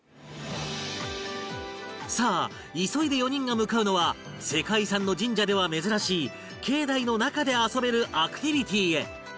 さあ急いで４人が向かうのは世界遺産の神社では珍しい境内の中で遊べるアクティビティへ